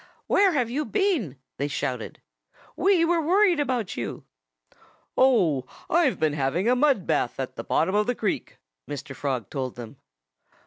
"Where have you been?" they shouted. "We were worried about you." "Oh, I've been having a mud bath at the bottom of the creek," Mr. Frog told them.